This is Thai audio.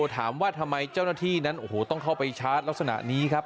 ถามว่าทำไมเจ้าหน้าที่นั้นโอ้โหต้องเข้าไปชาร์จลักษณะนี้ครับ